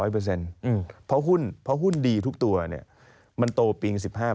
เพราะหุ้นดีทุกตัวเนี่ยมันโตปีง๑๕